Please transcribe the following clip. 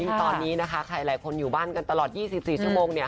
ซึ่งตอนนี้นะคะใครหลายคนอยู่บ้านกันตลอด๒๔ชั่วโมงเนี่ย